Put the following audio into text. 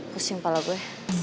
pusing kepala gue